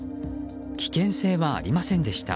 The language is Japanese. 危険性はありませんでした。